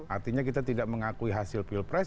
artinya kita tidak mengakui hasil pilpres